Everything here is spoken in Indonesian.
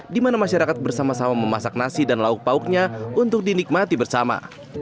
di mana masyarakat bersama sama memasak nasi dan lauk pauknya untuk dinikmati bersama